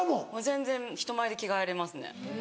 全然人前で着替えれますね。